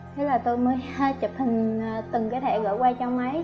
thế là tôi mới chụp hình từng cái thẻ gửi qua cho ông ấy